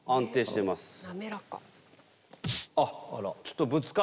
滑らか。